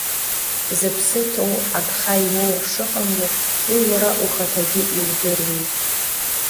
Зыԥсы ҭоу агха имоур шыҟамло уи уара ухаҭагьы иудыруеит!